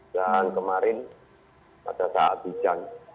dan kemarin pada saat di jan